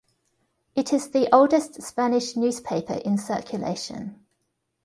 It is the oldest Spanish newspaper in circulation.